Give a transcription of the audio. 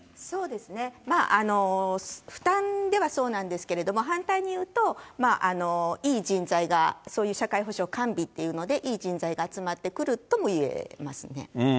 そうですね、負担ではそうなんですけれども、反対に言うと、いい人材が、そういう社会保障完備というのでいい人材が集まってくるともいえますね。